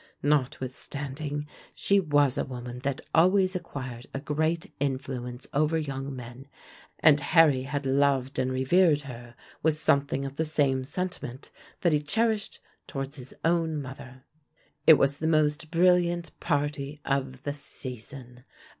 Notwithstanding, she was a woman that always acquired a great influence over young men, and Harry had loved and revered her with something of the same sentiment that he cherished towards his own mother. It was the most brilliant party of the season.